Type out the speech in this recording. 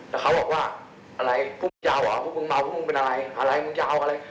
แล้วเขาบอกว่าอะไรพวกมึงยาวเหรอพวกมึงมาพวกมึงเป็นอะไรอะไรมึงยาวอะไร